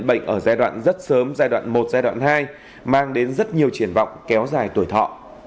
bệnh ở giai đoạn rất sớm giai đoạn một giai đoạn hai mang đến rất nhiều triển vọng kéo dài tuổi thọ